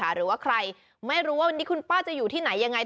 หรือว่าใครไม่รู้ว่าวันนี้คุณป้าจะอยู่ที่ไหนยังไง